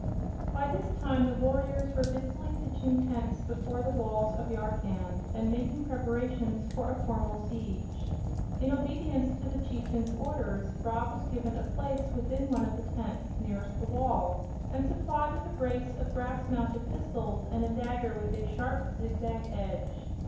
By this time the warriors were busily pitching tents before the walls of Yarkand and making preparations for a formal siege. In obedience to the chieftain's orders, Rob was given a place within one of the tents nearest the wall and supplied with a brace of brass mounted pistols and a dagger with a sharp, zigzag edge.